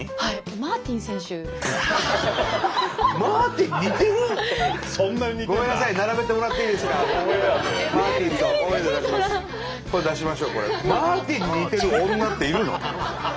マーティンに似てる女っているの？